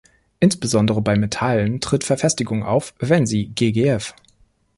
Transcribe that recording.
Insbesondere bei Metallen tritt Verfestigung auf, wenn sie, ggf.